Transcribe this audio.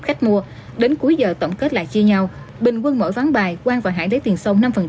khách mua đến cuối giờ tổng kết lại chia nhau bình quân mỗi ván bài quang và hãng lấy tiền sâu năm